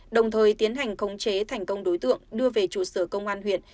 đồng thời tiến hành khống chế thành công đối tượng đưa về trụ sở công an huyện